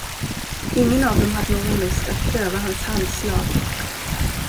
Ingen av dem hade någon lust att pröva hans handslag.